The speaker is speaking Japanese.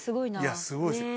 いやすごいですよ。